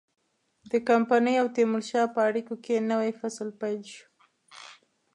د کمپنۍ او تیمورشاه په اړیکو کې نوی فصل پیل شو.